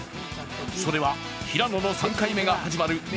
それは平野の３回目が始まる